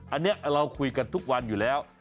อันนี้เราคุยกันทุกวันอยู่แล้ว